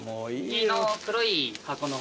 右の黒い箱の方。